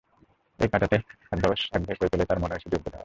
এটা কাটাতে খাদ্যাভ্যাস একঘেয়ে করে তোলাই তাঁর মনে হয়েছে যোগ্য দাওয়াই।